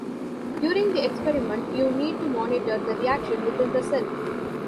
During the experiment, you need to monitor the reaction within the cell.